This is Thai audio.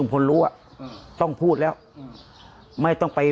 โปรดติดตามต่อไป